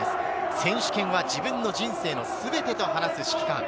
選手権は自分の人生の全てと話す指揮官。